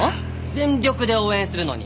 全力で応援するのに！